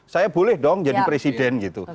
saya boleh dong jadi presiden gitu